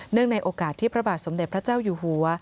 ในโอกาสที่พระบาทสมเด็จพระเจ้าอยู่หัว